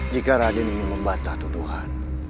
jika raden ingin membatah tuduhan